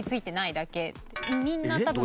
みんな多分。